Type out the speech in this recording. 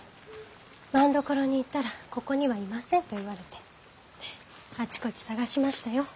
政所に行ったらここにはいませんと言われてあちこち捜しましたよ。